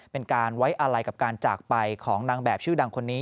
เป็นการไว้อะไรกับการจากไปของนางแบบชื่อดังคนนี้